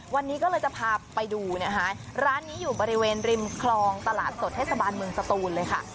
วันนี้ก็เลยจะพาไปดูนะคะร้านนี้อยู่บริเวณริมคลองตลาดสดเทศบาลเมืองสตูนเลยค่ะ